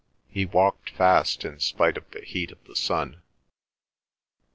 He walked fast in spite of the heat of the sun.